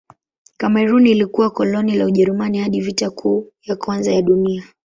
Kamerun ilikuwa koloni la Ujerumani hadi Vita Kuu ya Kwanza ya Dunia.